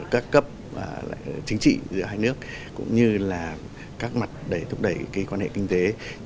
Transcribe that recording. các cấp chính trị giữa hai nước cũng như là các mặt thúc đẩy quan hệ kinh tế